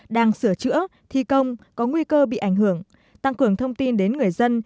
đang sửa chữa thi công có nguy cơ bị ảnh hưởng tăng cường thông tin đến người dân